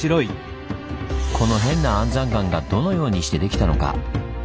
この変な安山岩がどのようにしてできたのか。